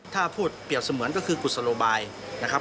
ถ้าพูดเปรียบเสมือนก็คือกุศโลบายนะครับ